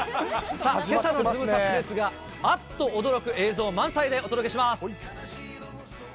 さあ、けさのズムサタですが、あっと驚く映像が満載でお届けします。